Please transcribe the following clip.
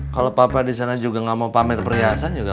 kalau papa disana juga gak mau pamer perhiasan juga